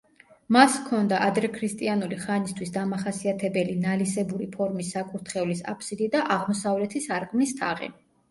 მას ჰქონდა ადრექრისტიანული ხანისთვის დამახასიათებელი ნალისებური ფორმის საკურთხევლის აფსიდი და აღმოსავლეთი სარკმლის თაღი.